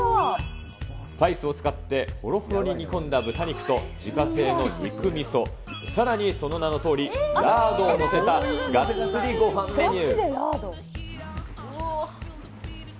スパイスを使ってほろほろに煮込んだ豚肉と、自家製の肉みそ、さらにその名のとおり、ラードを載せたがっつりごはんメニュー。